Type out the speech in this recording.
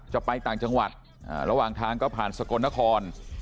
จะไปต่างจังหวัดระหว่างทางก็ผ่านสกลนคร